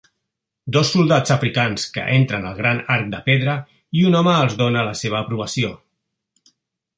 Dos soldats africans que entren el gran arc de pedra i un home els dóna la seva aprovació